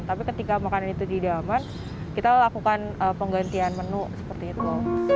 tapi ketika makanan itu tidak aman kita lakukan penggantian menu seperti itu